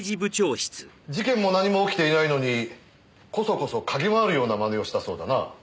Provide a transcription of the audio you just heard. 事件も何も起きていないのにこそこそ嗅ぎ回るような真似をしたそうだな？